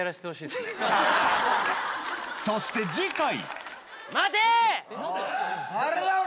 そして次回！